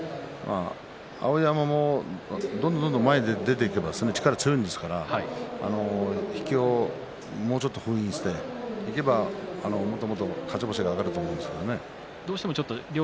碧山もどんどん前に出ていけば力強いですから引きをもうちょっと封印していけばもっと勝ち星が挙がると思うんですけどね。